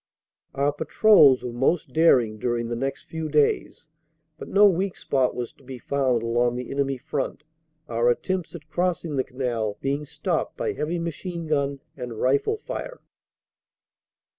"Our patrols were most daring during the next few days, but no weak spot was to be found along the enemy front, our attempts at crossing the Canal being stopped by heavy machine gun and rifle fire.